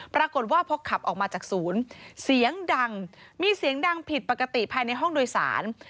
ปรากฏว่าพอขับออกมาจากศูนย์เสียงดังมีเสียงดังผิดปกติภายในห้องโดยสาร